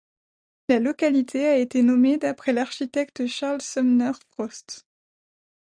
La localité a été nommée d’après l’architecte Charles Sumner Frost.